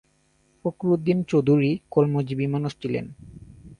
ফখরুদ্দিন চৌধুরী কর্মজীবী মানুষ ছিলেন।